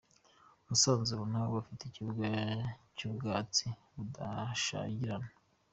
Musanze, ubu naho bafite ikibuga cy’ubwatsi bushashagirana .